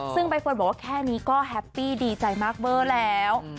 ซึ่งใบเฟิร์นบอกว่าแค่นี้ก็แฮปปี้ดีใจมากเบอร์แล้ว